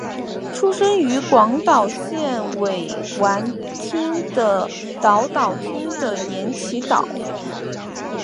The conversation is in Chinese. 出生于广岛县尾丸町的岛岛町的岩崎岛。